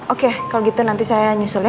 oke kalau gitu nanti saya nyusul ya